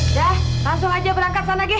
udah langsung aja berangkat sana geh